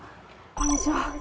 こんにちは